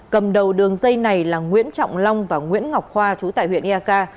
cầm đầu đường dây này là nguyễn trọng long và nguyễn ngọc khoa trú tại huyện eak